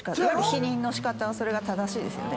否認の仕方は正しいですよね。